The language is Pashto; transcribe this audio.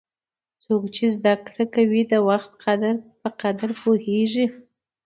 څوک چې زده کړه کوي، د وخت قدر پوهیږي.